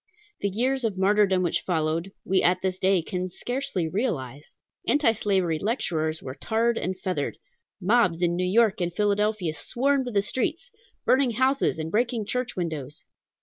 The years of martyrdom which followed, we at this day can scarcely realize. Anti slavery lecturers were tarred and feathered. Mobs in New York and Philadelphia swarmed the streets, burning houses and breaking church windows.